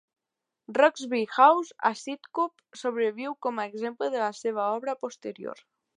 Roxby House, a Sidcup, sobreviu com a exemple de la seva obra posterior.